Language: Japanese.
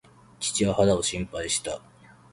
父は肌を心配した。